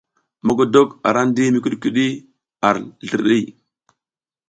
Mogodok a ra ndi mikudikudi ar zlirɗi.